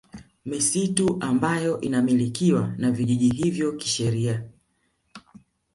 Misitu ambayo inamilikiwa na vijiji hivyo kisheria